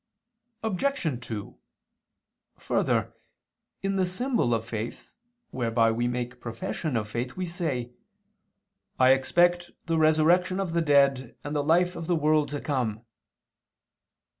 Obj. 2: Further, in the symbol of faith, whereby we make profession of faith, we say: "I expect the resurrection of the dead and the life of the world to come."